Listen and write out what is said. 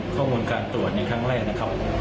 ข้อมูลการตรวจในครั้งแรกนะครับ